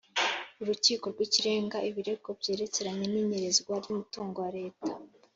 Urukiko rw’ Ikirenga ibirego byerekeranye n’inyerezwa ryumutungo wa leta